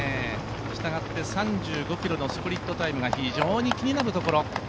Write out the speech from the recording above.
したがって３５ｋｍのスプリットタイムが気になるところ。